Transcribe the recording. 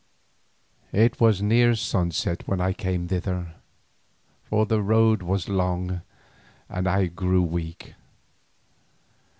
It was near sunset when I came thither, for the road was long and I grew weak.